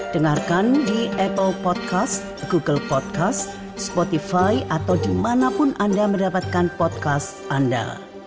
dengarkan di apple podcast google podcast spotify atau dimanapun anda mendapatkan podcast anda